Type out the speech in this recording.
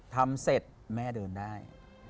ทำเสร็จแม่เดินได้